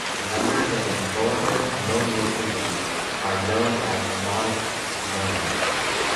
Members of the Order Ammonitida are known as ammonitic ammonites.